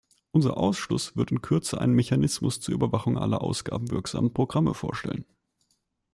Unser Ausschuss wird in Kürze einen Mechanismus zur Überwachung aller ausgabenwirksamen Programme vorstellen.